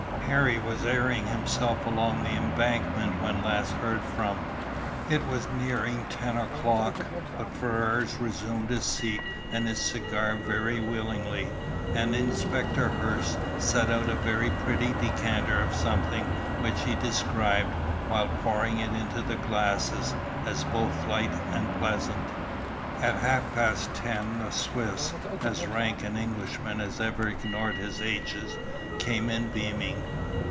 Harry was airing himself along the embankment when last heard from." It was nearing ten o'clock, but Ferrars resumed his seat and his cigar very willingly, and Inspector Hirsch set out a very pretty decanter of something which he described, while pouring it into the glasses, as both light and pleasant. At half past ten "the Swiss," as rank an Englishman as ever ignored his h's, came in beaming.